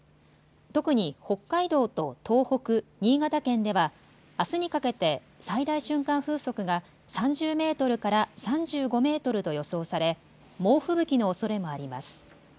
特に北海道と東北、新潟県ではあすにかけて最大瞬間風速が３０メートルから３５メートルと予想され猛吹雪のおそれもあります。